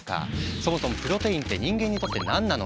そもそもプロテインって人間にとって何なのか？